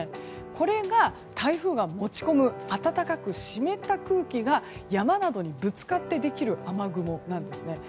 これが、台風が持ち込む暖かく湿った空気が山などにぶつかってできる雨雲です。